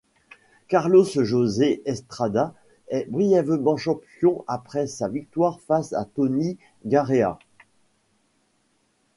Carlos Jose Estrada est brièvement champion après sa victoire face à Tony Garea.